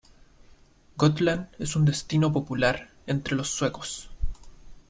Gotland es un destino popular entre los suecos.